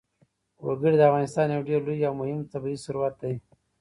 وګړي د افغانستان یو ډېر لوی او مهم طبعي ثروت دی.